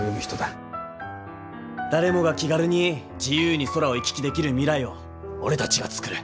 誰もが気軽に自由に空を行き来できる未来を俺たちが作る。